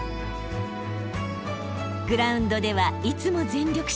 グラウンドではいつも全力疾走。